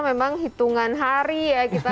memang hitungan hari ya kita